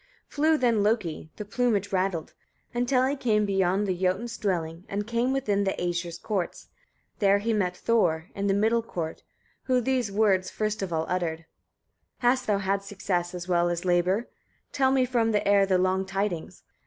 10. Flew then Loki the plumage rattled until he came beyond the Jotun's dwellings, and came within the Æsir's courts; there he met Thor, in the middle court, who these words first of all uttered. 11. "Hast thou had success as well as labour? Tell me from the air the long tidings.